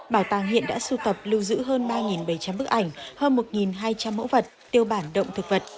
bảo tàng hiện đã sưu tập lưu giữ hơn ba bảy trăm linh bức ảnh hơn một hai trăm linh mẫu vật tiêu bản động thực vật